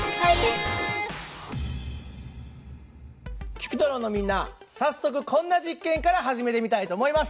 Ｃｕｐｉｔｒｏｎのみんな早速こんな実験から始めてみたいと思います。